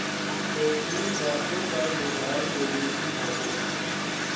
تو تین باتوں کا لحاظ ضروری ہے۔